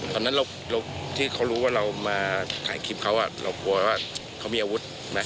ตอนนั้นที่เขารู้ว่าเรามาถ่ายคลิปเขาเรากลัวว่าเขามีอาวุธนะ